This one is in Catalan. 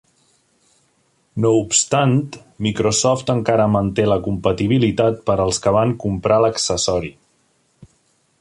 No obstant, Microsoft encara manté la compatibilitat per als que van comprar l'accessori.